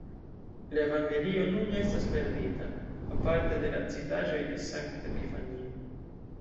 La evangelio nun estas perdita, aparte de la citaĵoj de sankta Epifanio.